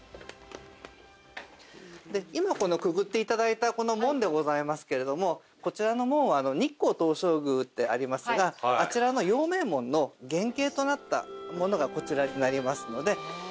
今くぐって頂いたこの門でございますけれどもこちらの門は日光東照宮ってありますがあちらの陽明門の原型となったものがこちらになりますので。